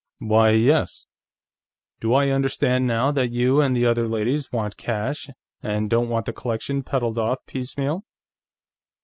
"Why, yes. Do I understand, now, that you and the other ladies want cash, and don't want the collection peddled off piecemeal?...